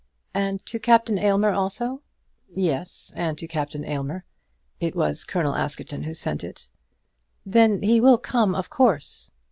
"And to Captain Aylmer also?" "Yes; and to Captain Aylmer. It was Colonel Askerton who sent it." "Then he will come, of course."